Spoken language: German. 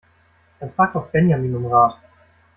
Dann fragt doch Benjamin um Rat!